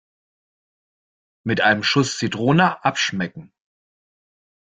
Mit einem Schuss Zitrone abschmecken.